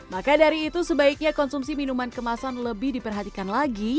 maka dari itu sebaiknya konsumsi minuman kemasan lebih diperhatikan lagi